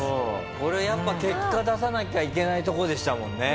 これやっぱ結果出さなきゃいけないとこでしたもんね。